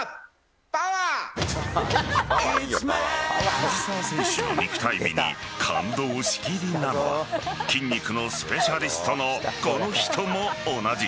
藤澤選手の肉体美に感動しきりなのは筋肉のスペシャリストのこの人も同じ。